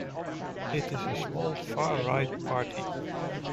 It is a small far-right party.